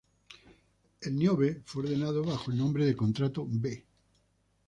El "Niobe" fue ordenado bajo el nombre de contrato "B".